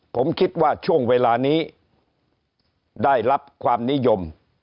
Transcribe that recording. ผมคิดว่าช่วงเวลานี้ได้รับความนิยม